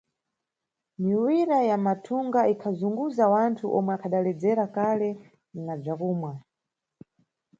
Miwira ya mathunga ikhazunguza wanthu omwe akhadaledzera kale na bzakumwa.